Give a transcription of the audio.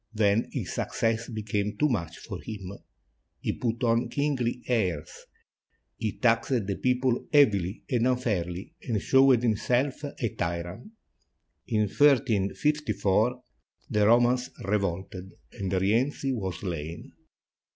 Then his success be came too much for him. He put on kingly airs, he taxed the people heavily and unfairly, and showed himself a tyrant. In 1354, the Romans revolted and Rienzi was slain.